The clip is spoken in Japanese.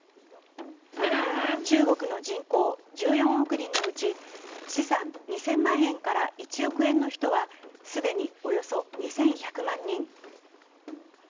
中国の人口１４億人のうち資産２０００万円から１億円の人は既におよそ２１００万人。